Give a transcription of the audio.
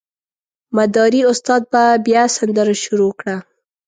مداري استاد به بیا سندره شروع کړه.